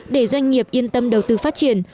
để doanh nghiệp yên tâm đầu tư phát triển